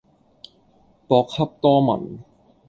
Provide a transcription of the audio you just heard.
博洽多聞